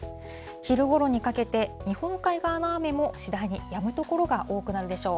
昼ごろにかけて、日本海側の雨も次第にやむ所が多くなるでしょう。